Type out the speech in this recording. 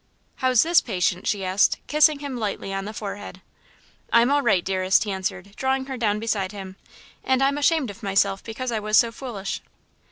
"How's this patient?" she asked, kissing him lightly on the forehead. "I'm all right, dearest," he answered, drawing her down beside him, "and I'm ashamed of myself because I was so foolish."